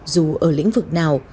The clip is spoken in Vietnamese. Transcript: dù ở lĩnh vực nào